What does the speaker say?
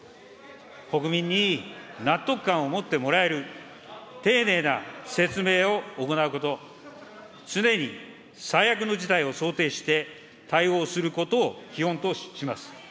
国民に納得感を持ってもらえる、丁寧な説明を行うこと、常に最悪の事態を想定して対応することを基本とします。